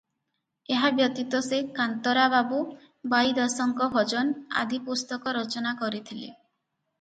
"ଏହା ବ୍ୟତୀତ ସେ "କାନ୍ତରା ବାବୁ", "ବାଇଦାସଙ୍କ ଭଜନ" ଆଦି ପୁସ୍ତକ ରଚନା କରିଥିଲେ ।"